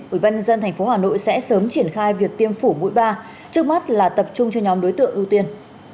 ubnd tp hà nội sẽ sớm triển khai việc tiêm phủ mũi ba trước mắt là tập trung cho nhóm đối tượng ưu tiên